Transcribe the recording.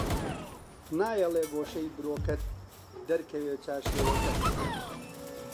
نایەڵێ گۆشەی برۆکەت دەرکەوێ چارشێوەکەت